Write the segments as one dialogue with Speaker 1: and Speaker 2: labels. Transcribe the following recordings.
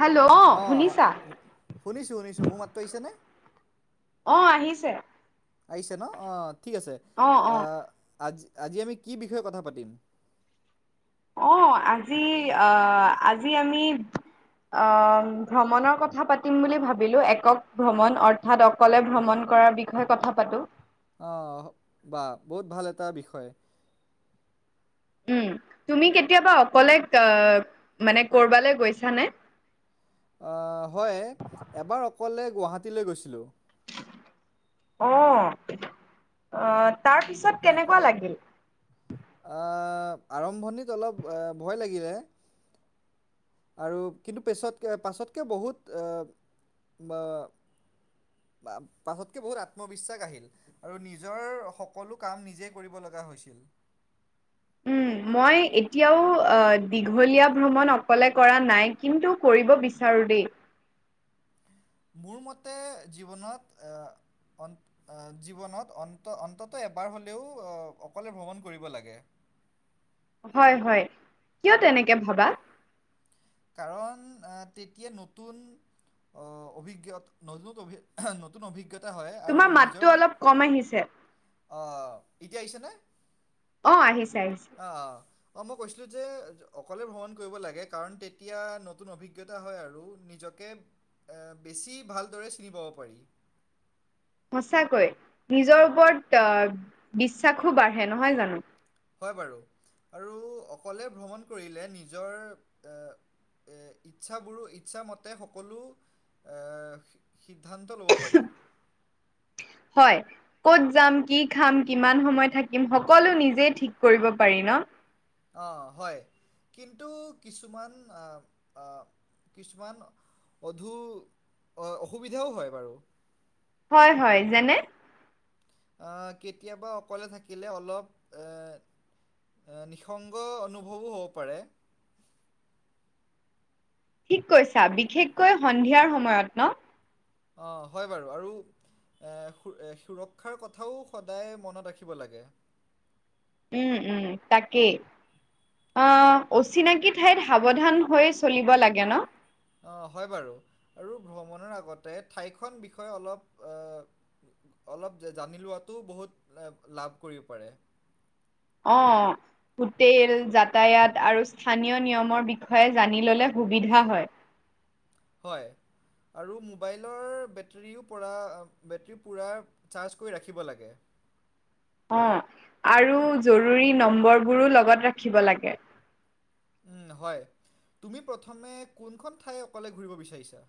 Speaker 1: Hello
Speaker 2: অ',
Speaker 1: শুনিছা
Speaker 2: শুনিছোঁ শুনিছোঁ। মোৰ মাতটো আহিছেনে?
Speaker 1: অ', আহিছে।
Speaker 2: আহিছে ন? অ', ঠিক আছে।
Speaker 1: অ অ
Speaker 2: আ আজ-আজি আমি কি বিষয়ে কথা পাতিম?
Speaker 1: অ', আজি আ, আজি আমি অ ভ্ৰমণৰ কথা পাতিম বুলি ভাবিলো। একক ভ্ৰমণ অৰ্থাৎ অকলে ভ্ৰমণ কৰাৰ বিষয়ে কথা পাতো।
Speaker 2: অ', বা বহুত ভাল এটা বিষয়।
Speaker 1: উম, তুমি কেতিয়াবা অকলে আ মানে কৰ'বালৈ গৈছানে?
Speaker 2: আ হয়, এবাৰ অকলে গুৱাহাটীলৈ গৈছিলোঁ।
Speaker 1: অ', অ' তাৰ পিছত কেনেকুৱা লাগিল?
Speaker 2: আ, আৰম্ভণিত অলপ আ ভয় লাগিলে। আৰু কিন্তু পেছত-পাছতকে বহুত আ বা আ পাছতকে বহুত আত্মবিশ্বাস আহিল। আৰু নিজৰ সকলো কাম নিজেই কৰিব লগা হৈছিল।
Speaker 1: উম
Speaker 2: [inaudible]
Speaker 1: মই এতিয়াও আ দীঘলীয়া ভ্ৰমণ অকলে কৰা নাই, কিন্তু কৰিব বিচাৰোঁ দেই।
Speaker 2: মোৰ মতে, জীৱনত আ অন, জীৱনত অন্ত-অন্ততঃ এবাৰ হ'লেও অকলে ভ্ৰমণ কৰিব লাগে।
Speaker 1: হয় হয়, কিয় তেনেকে ভাবা?
Speaker 2: কাৰণ আ তেতিয়া নতুন অভিজ্ঞত [unintelligible] নতুন অভিজ্ঞতা হয় আৰু
Speaker 1: তোমাৰ মাতটো
Speaker 2: নিজৰ
Speaker 1: অলপ
Speaker 2: বাবে।
Speaker 1: কম আহিছে।
Speaker 2: অ, এতিয়া আহিছে নে?
Speaker 1: অ, আহিছে -আহিছে।
Speaker 2: আহ অ', মই কৈছিলো যে অকলে ভ্ৰমণ কৰিব লাগে কাৰণ তেতিয়া নতুন অভিজ্ঞতা হয় আৰু নি নিজকে আ বেছি ভালদৰে চিনি পাব পাৰি।
Speaker 1: সঁচাকৈ, নিজৰ ওপৰত বিশ্বাসো বাঢ়ে নহয় জানো?
Speaker 2: হয় বাৰু, আৰু অকলে ভ্ৰমণ কৰিলে নিজৰ এ ইচ্ছাবোৰো, ইচ্ছামতে সকলো এ সিদ্ধান্ত ল'ব পাৰি।
Speaker 1: হয়। ক'ত যাম কি খাম কিমান সময় থাকিম সকলো নিজেই ঠিক কৰিব পাৰি ন?
Speaker 2: অ, হয় কিন্তু আ, অ কিছুমান অধু অসুবিধাও হয় বাৰু।
Speaker 1: হয় -হয় যেনে?
Speaker 2: অ, কেতিয়াবা অকলে থাকিলে অলপ এ নিসংগ অনুভৱো হ'ব পাৰে।
Speaker 1: ঠিক কৈছা বিশেষকৈ সন্ধিয়াৰ সময়ত ন?
Speaker 2: অ, হয় বাৰু আৰু এ সুৰ -সুৰক্ষাৰ কথাও সদায় মনত ৰাখিব লাগে।
Speaker 1: উম -উম তাকেই। অ, অচিনাকি ঠাইত সাৱধান হৈ চলিব লাগে ন?
Speaker 2: অ, হয় বাৰু আৰু ভ্ৰমণৰ আগতে ঠাইখন বিষয়ে অলপ অ অলপ জানি লোৱাটো বহুত লাভ কৰিব পাৰে।
Speaker 1: অ', হোটেল, যাতায়াত আৰু স্থানীয় নিয়মৰ বিষয়ে জানি ল'লে সুবিধা হয়।
Speaker 2: হয়। আৰু মোবাইলৰ বেটেৰীও পৰা বেটেৰী পোৰা চাৰ্জ কৰি ৰাখিব লাগে।
Speaker 1: অ, আৰু জৰুৰী নম্বৰবোৰো লগত ৰাখিব লাগে।
Speaker 2: উম, হয় তুমি প্ৰথমে কোনখন ঠাই অকলে ঘূৰিব বিচাৰিছা?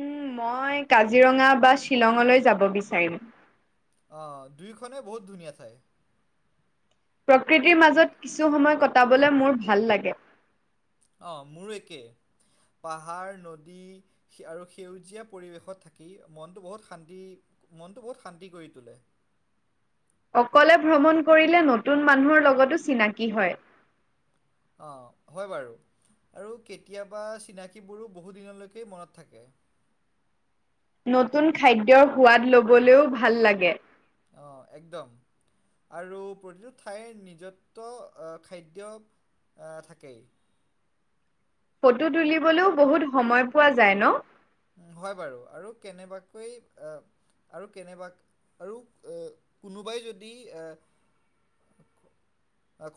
Speaker 1: উম, মই কাজিৰঙা বা শ্বিলঙলৈ যাব বিচাৰিম।
Speaker 2: অ, দুইখনে বহুত ধুনীয়া ঠাই।
Speaker 1: প্ৰকৃতিৰ মাজত কিছু সময় কটাবলৈ মোৰ ভাল লাগে।
Speaker 2: অ, মোৰ একে পাহাৰ, নদী সে আৰু সেউজীয়া পৰিৱেশত থাকি মনটো বহুত শান্তি মনটো বহুত শান্তি কৰি তোলে।
Speaker 1: অকলে ভ্ৰমণ কৰিলে নতুন মানুহৰ লগতো চিনাকী হয়।
Speaker 2: অ, হয় বাৰু আৰু কেতিয়াবা চিনাকিবোৰো বহু দিনলৈকে মনত থাকে।
Speaker 1: নতুন খাদ্যৰ সোৱাদ লবলৈও ভাল লাগে।
Speaker 2: অ, একদম। আৰু প্ৰতিটো ঠাইৰ নিজত্ব অ, খাদ্য আ, থাকেই।
Speaker 1: ফটো তুলিবলৈও বহুত সময় পোৱা যায় ন?
Speaker 2: উম, হয় বাৰু আৰু কেনেবাকৈ আ আৰু কেনেবা আৰু অ, কোনোবাই যদি এ অ,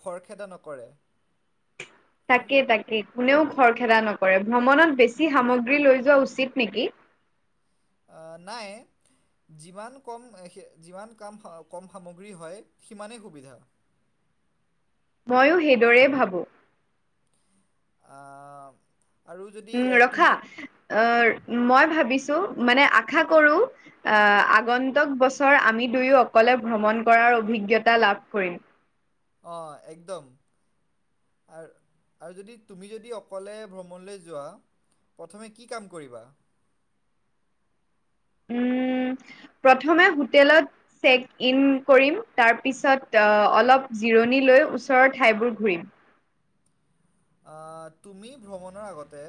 Speaker 2: খৰখেদা নকৰে। হুম,
Speaker 1: তাকে -তাকে কোনেও খৰখেদা নকৰে ভ্ৰমণত বেছি সামগ্ৰী লৈ যোৱা উচিত নিকি?
Speaker 2: অ, নাই। যিমান কম যিমান কাম কম সামগ্ৰী হয় সিমানেই সুবিধা হয়।
Speaker 1: ময়ো সেইদৰেই ভাবোঁ।
Speaker 2: আ, উম আৰু যদি
Speaker 1: উম ৰখা
Speaker 2: তুমি
Speaker 1: অ, মই ভাবিছোঁ মানে আশা কৰোঁ আহ আগন্তক বছৰ আমি দুয়ো অকলে ভ্ৰমণ কৰাৰ অভিজ্ঞতা লাভ কৰিম।
Speaker 2: অ একদম অ আৰু যদি তুমি যদি অকলে ভ্ৰমণলৈ যোৱা প্ৰথমে কি কাম কৰিবা
Speaker 1: উম
Speaker 2: [inaudible]
Speaker 1: প্ৰথমে হোটেলত চেক ইন কৰিম তাৰপিছত অ, অলপ জিৰণি লৈ ওচৰৰ ঠাইবোৰ ঘূৰিম।
Speaker 2: অ তুমি ভ্ৰমণৰ আগতে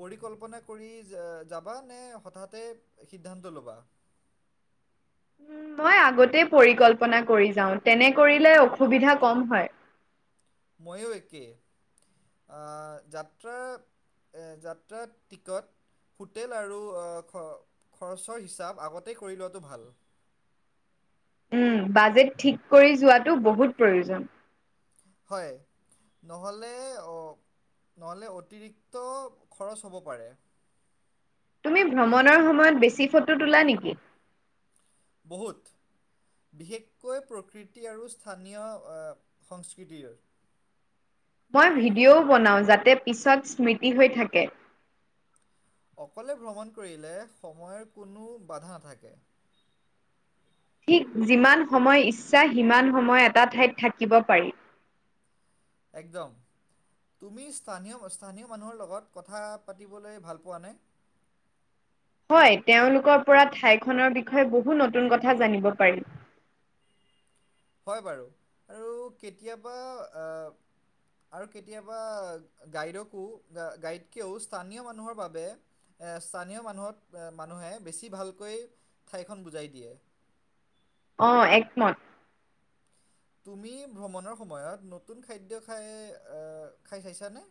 Speaker 2: পৰিকল্পনা কৰি যাবা নে হঠাতে সিদ্ধান্ত ল'বা
Speaker 1: উম, মই আগতে পৰিকল্পনা কৰি যাও তেনে কৰিলে অসুবিধা কম হয়
Speaker 2: ময়ো একে আ যাত্ৰা যাত্ৰা টিকট হোটেল আৰু খ খৰচৰ হিচাপ আগতেই কৰি লোৱাটো ভাল
Speaker 1: উম বাজেট ঠিক কৰি যোৱাটো বহুত প্ৰয়োজন
Speaker 2: হয় নহ'লে নহ'লে অতিৰিক্ত খৰচ হ'ব পাৰে
Speaker 1: তুমি ভ্ৰমণৰ সময়ত বেছি ফটো তোলা নেকি
Speaker 2: বহুত বিশেষকৈ প্ৰকৃতি আৰু স্থানীয় সংস্কৃতিৰ
Speaker 1: মই ভিডিঅ'ও বনাওঁ যাতে পিছত স্মৃতি হৈ থাকে
Speaker 2: অকলে ভ্ৰমণ কৰিলে সময়ৰ কোনো বাধা নাথাকে
Speaker 1: ঠিক যিমান সময় ইচ্ছা সিমান সময় এটা ঠাইত থাকিব পাৰি
Speaker 2: একদম তুমি স্থানীয় অস্থানীয় মানুহৰ লগত কথা পাতিবলৈ ভাল পোৱা নে
Speaker 1: হয় তেওঁলোকৰ পৰা ঠাইখনৰ বিষয়ে বহুত নতুন কথা জানিব পাৰি।
Speaker 2: হয় বাৰু আৰু কেতিয়াবা আ আৰু কেতিয়াবা গাইডকো গাইডকেও স্থানীয় মানুহৰ বাবে এ স্থানীয় মানুহত মানুহে বেছি ভালকৈ ঠাইখন বুজাই দিয়ে।
Speaker 1: অ একমত।
Speaker 2: তুমি ভ্ৰমণৰ সময়ত নতুন খাদ্য খাই আ খাই চাইছানে?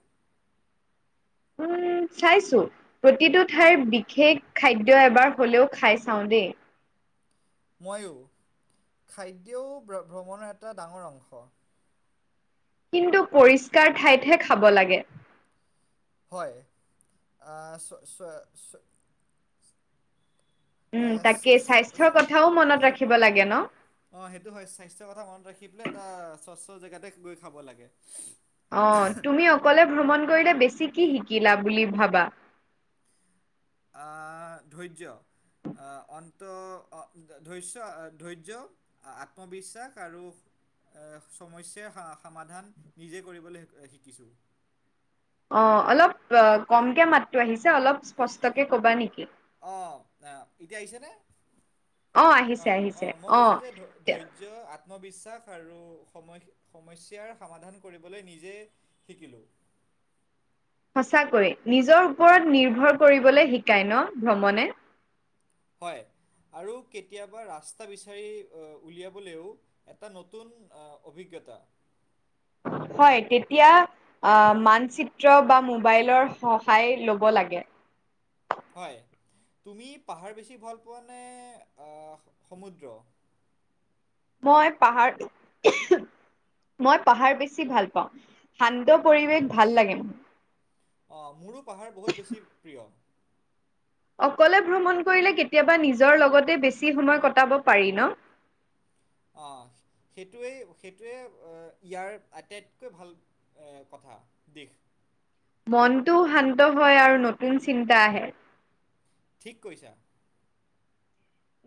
Speaker 1: উম চাইছো প্ৰতিটো ঠাইৰ বিশেষ খাদ্য এবাৰ হলেও খাই চাওঁ দেই
Speaker 2: ময়ো খাদ্যও ভ্ৰমণৰ এটা ডাঙৰ অংশ
Speaker 1: কিন্তু পৰিষ্কাৰ ঠাইতহে খাব লাগে
Speaker 2: হয় আ চ চ চ এ
Speaker 1: উম
Speaker 2: চো
Speaker 1: তাকে স্বাস্থ্যৰ
Speaker 2: চা
Speaker 1: কথাও মনত
Speaker 2: হেত
Speaker 1: ৰাখিব লাগে ন।
Speaker 2: অ সেইটো হয় স্বাস্থ্য কথা মনত ৰাখিপেলাই এটা স্বচ্ছ জেগাতে গৈ খাব লাগে
Speaker 1: অ তুমি অকলে ভ্ৰমণ কৰিলে বেছি কি শিকিলা বুলি ভাবা
Speaker 2: আহ ধৈৰ্য আ অন্ত ধৈশ্য ধৈৰ্য্য আত্মবিশ্বাস আৰু আ সমস্যা সামাধান নিজে কৰিবলৈ শিকিছোঁ।
Speaker 1: অ অলপ কমকে মাতটো আহিছে অলপ স্পষ্টকে ক'বা নেকি?
Speaker 2: অ এতিয়া আহিছে নে? অ অ মই কৈছো যে ধৈ ধৈ ৰ্য্য আত্মবিশ্বাস আৰু সম সমস্যাৰ সমাধান কৰিবলৈ নিজে শিকিলো।
Speaker 1: সঁচাকৈয়ে নিজৰ ওপৰত নিৰ্ভৰ কৰিবলৈ শিকায় ন ভ্ৰমণে।
Speaker 2: হয় আৰু কেতিয়াবা ৰাস্তা বিচাৰি অ উলিয়াবলৈও এটা নতুন আ অভিজ্ঞতা।
Speaker 1: হয় তেতিয়া আহ, মানচিত্ৰ বা মোবাইলৰ সহায় লব লাগে।
Speaker 2: হয়, তুমি পাহাৰ বেছি ভাল পোৱা নে আ' সমুদ্ৰ?
Speaker 1: মই পাহাৰ মই পাহাৰ বেছি ভাল পাওঁ শান্ত পৰিৱেশ ভাল লাগে মোৰ।
Speaker 2: অঁ মোৰো পাহাৰ বহুত বেছি প্ৰিয়।
Speaker 1: অকলে ভ্ৰমণ কৰিলে কেতিয়াবা নিজৰ লগতে বেছি সময় কটাব পাৰি ন?
Speaker 2: অঁ সেইটোৱেই সেইটোৱে আ ইয়াৰ আটাইতকৈ ভাল। এ কথা দেশ
Speaker 1: মনটো শান্ত হয় আৰু নতুন চিন্তা আহে।
Speaker 2: ঠিক কৰিছা।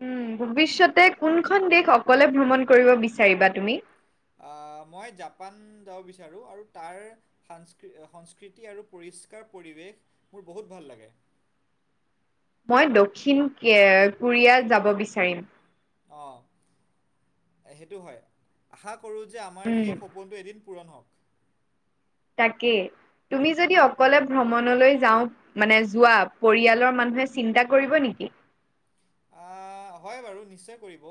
Speaker 1: উম, ভৱিষ্যতে কোনখন দেশ অকলে ভ্ৰমণ কৰিব বিচাৰিবা তুমি?
Speaker 2: আ, মই জাপান যাব বিচাৰোঁ আৰু তাৰ সস্কৃ সংস্কৃতি আৰু পৰিষ্কাৰ পৰিৱেশ মোৰ বহুত ভাল লাগে।
Speaker 1: মই দক্ষিণ কে কোৰিয়াত যাব বিচাৰিম।
Speaker 2: অ, সেইটো হয়, আশা কৰো যে আমাৰ
Speaker 1: উম,
Speaker 2: সেই সপোন এদিন পূৰণ হওক।
Speaker 1: তাকেই, তুমি যদি অকলে ভ্ৰমণলে যাওঁ মানে যোৱা পৰিয়ালৰ মানুহে চিন্তা কৰিব নিকি?
Speaker 2: আ, হয় বাৰু নিশ্চয় কৰিব।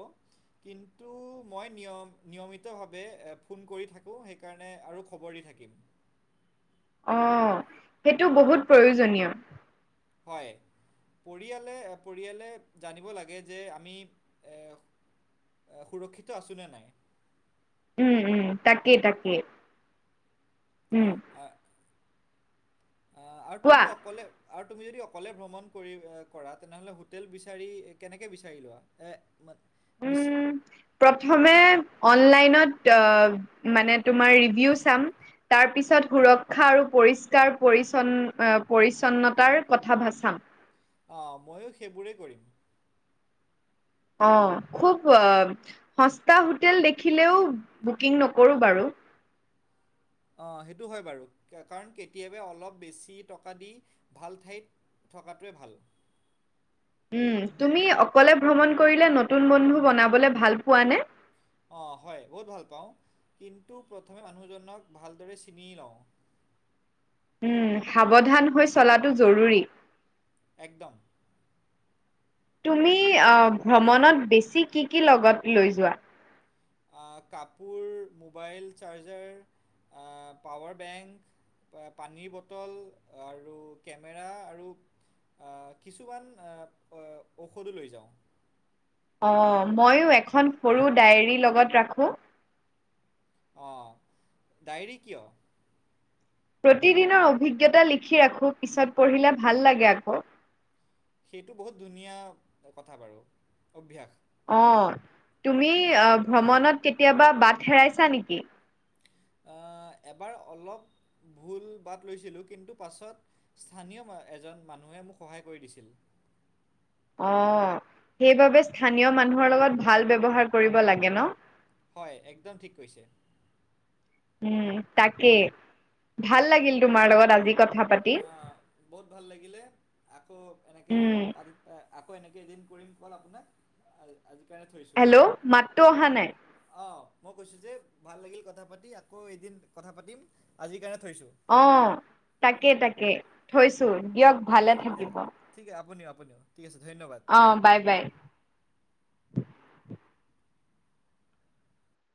Speaker 2: কিন্তু মই নিয়ম নিয়মিতভাৱে ফোন কৰি থাকোঁ, সেই সেইকাৰণে আৰু খবৰ দি থাকিম।
Speaker 1: অহ, সেইটো বহুত প্ৰয়োজনীয়।
Speaker 2: হয়। পৰিয়ালে-পৰিয়ালে জানিব লাগে যে আমি এ সুৰক্ষিত আছো নে নাই?
Speaker 1: উম, উম, তাকেই-তাকেই উম,
Speaker 2: আ, আ আৰু
Speaker 1: কোৱা।
Speaker 2: তুমি অকলে আৰু তুমি যদি অকলে ভ্ৰমণ কৰি কৰা তেনেহ'লে হোটেল বিচাৰি কেনেকে বিচাৰি লোৱা। এ মান বিশ
Speaker 1: উম, প্ৰথমে অনলাইনত মানে তোমাৰ ৰিভিউ চাম। তাৰ পিছত সুৰক্ষা আৰু পৰিষ্কাৰ-পৰিছন্ন পৰিচ্ছন্নতাৰ কথা ভা চাম।
Speaker 2: অঁ, ময়ো সেইবোৰেই কৰিম।
Speaker 1: অ, খুব আ সস্তা হোটেল দেখিলেও বুকিং নকৰোঁ বাৰু।
Speaker 2: অ, সেইটো হয় বাৰু কাৰণ কেতিয়াবা অলপ বেছি টকা দি ভাল ঠাইত থকাটোৱে ভাল।
Speaker 1: উম, তুমি অকলে ভ্ৰমণ কৰিলে নতুন বন্ধু বনাবলে ভাল পোৱা নে?
Speaker 2: অ, হয় বহুত ভাল পাওঁ কিন্তু প্ৰথমে মানুহজনক ভালদৰে চিনি লওঁ।
Speaker 1: উম, সাৱধান হৈ চলাটো জৰুৰী।
Speaker 2: একদম।
Speaker 1: তুমি আহ ভ্ৰমণত বেছি কি-কি লগত লৈ যোৱা?
Speaker 2: আ কাপোৰ মোবাইল চাৰ্জাৰ আ, পাৱাৰ বেংক। পা পানীৰ বটল আৰু কেমেৰা আৰু আ কিছুমান অ আ ঔষধো লৈ যাওঁ।
Speaker 1: অ, মইয়ো এখন সৰু ডায়েৰীৰ লগত ৰাখোঁ।
Speaker 2: অ, ডায়েৰী কিয়?
Speaker 1: প্ৰতিদিনৰ অভিজ্ঞতা লিখি ৰাখো পিছত পঢ়িলে ভাল লাগে আকৌ।
Speaker 2: সেইটো বহুত ধুনীয়া কথা বাৰু অভ্যাস।
Speaker 1: অ, তুমি আহ, ভ্ৰমণত কেতিয়াবা বাট হেৰাইছা নেকি?
Speaker 2: আ এবাৰ অলপ ভুল বাট লৈছিলোঁ কিন্তু পাছত স্থানীয় এজন মানুহে মোক সহায় কৰি দিছিল।
Speaker 1: অ সেইবাবে স্থানীয় মানুহৰ লগত ভাল ব্যৱহাৰ কৰিব লাগে ন
Speaker 2: হয় একদম ঠিক কৈছে
Speaker 1: উম তাকে ভাল লাগিল তোমাৰ লগত আজি কথা পাতি
Speaker 2: আ, বহুত ভাল লাগিলে আকৌ এনেকে
Speaker 1: উম
Speaker 2: পাতি আকৌ এনেকে এদিন কৰিম কল আপোনাক আজিৰ কাৰণে থৈছোঁ।
Speaker 1: মাততো অহা নাই?
Speaker 2: অ মই কৈছো যে ভাল লাগিল কথা পাতি আকৌ এদিন কথা পাতিম আজিৰ কাৰণে থৈছো
Speaker 1: অ তাকে তাকে থৈছো দিয়ক ভালে থাকিব
Speaker 2: ঠিকে আপুনিও আপুনিও ঠিক আছে ধন্যবাদ
Speaker 1: অ বাই বাই